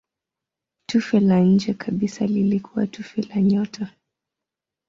Tufe la nje kabisa lilikuwa tufe la nyota.